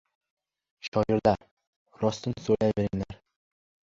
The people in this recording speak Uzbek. Shoirlar, rostin so‘ylayveringlar!